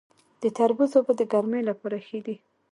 د تربوز اوبه د ګرمۍ لپاره ښې دي.